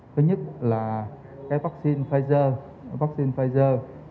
thứ nhất là vaccine pfizer